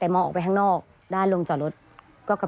เพื่อที่จะได้หายป่วยทันวันที่เขาชีจันทร์จังหวัดชนบุรี